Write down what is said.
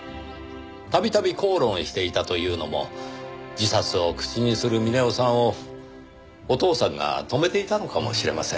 度々口論していたというのも自殺を口にする峰夫さんをお父さんが止めていたのかもしれません。